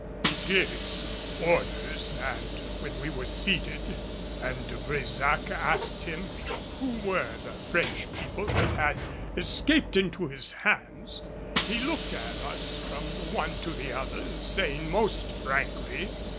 He gave some orders, and when we were seated and De Brésac asked him who were the French people that had escaped into his hands, he looked at us from the one to the other, saying most frankly.